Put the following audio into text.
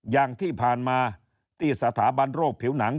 อย่างที่ผ่านมาที่สถาบันโรคผิวหนัง